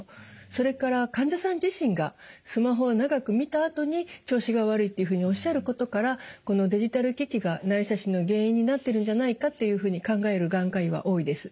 それから患者さんが自身がスマホを長く見たあとに調子が悪いっていうふうにおっしゃることからこのデジタル機器が内斜視の原因になってるんじゃないかっていうふうに考える眼科医は多いです。